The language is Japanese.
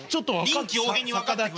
臨機応変に分かってくれ。